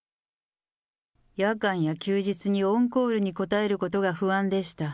夜間や休日にオンコールに答えることが不安でした。